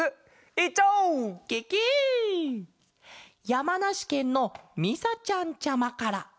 やまなしけんのみさちゃんちゃまから。